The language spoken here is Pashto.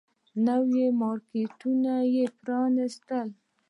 نوي مارکيټونه يې پرانيستل.